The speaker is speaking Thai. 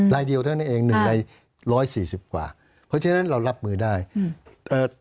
ลายเดียวเท่านั้นเอง๑ใน๑๔๐กว่าเพราะฉะนั้นเรารับมือได้